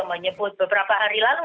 menyebut beberapa hari lalu